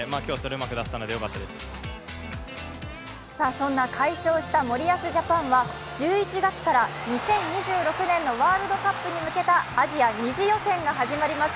そんな快勝した森保ジャパンは１１月から２０２６年のワールドカップに向けたアジア２次予選が始まります。